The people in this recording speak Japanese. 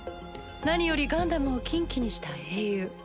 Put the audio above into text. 何よりガンダムを禁忌にした英雄。